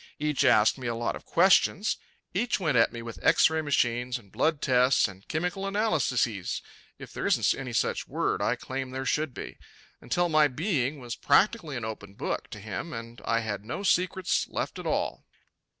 Each asked me a lot of questions. Each went at me with X ray machines and blood tests and chemical analysissies if there isn't any such word I claim there should be until my being was practically an open book to him and I had no secrets left at all.